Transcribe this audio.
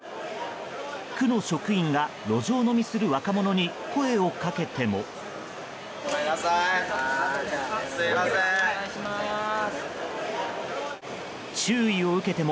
区の職員が路上飲みする若者に声をかけても。